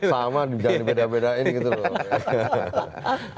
sama bisa dibeda bedain gitu loh